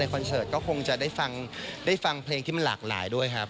คอนเสิร์ตก็คงจะได้ฟังเพลงที่มันหลากหลายด้วยครับ